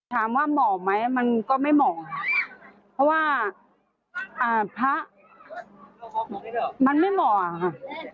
ถามว่าเหมาะไหมมันก็ไม่เหมาะเพราะว่าภาพมันไม่เหมาะ